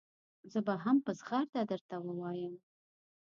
زه به هم په زغرده درته ووایم.